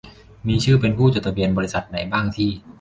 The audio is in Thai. มีชื่อเป็นผู้จดทะเบียนบริษัทใดบ้างที่